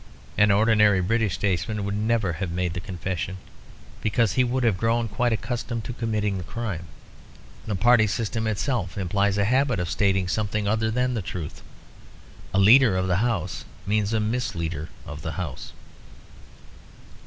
An ordinary British statesman would never have made the confession, because he would have grown quite accustomed to committing the crime. The party system itself implies a habit of stating something other than the actual truth. A Leader of the House means a Misleader of the House.